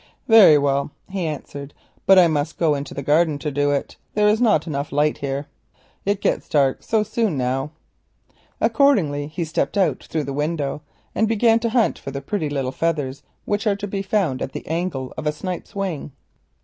"Very well," he answered, "but I must go into the garden to do it; there is not light enough here. It gets dark so soon now." Accordingly he stepped out through the window, and began to hunt for the pretty little feathers which are to be found at the angle of a snipe's wing.